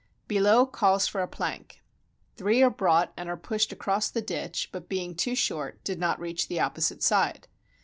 Billot calls for a plank. Three are brought and are pushed across the ditch, but, being too short, did not reach the opposite side.